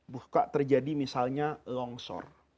buka terjadi misalnya longsor